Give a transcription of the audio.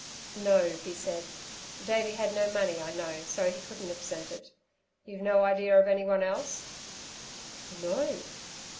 "No," he said, "Davey had no money, I know, so he couldn't have sent it. You've no idea of any one else?" "No."